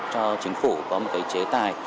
cho chính phủ có một chế tài